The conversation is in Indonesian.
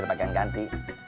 ada paket yang ganti